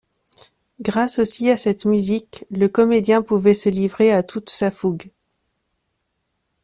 Grâce aussi à cette musique, le comédien pouvait se livrer à toute sa fougue.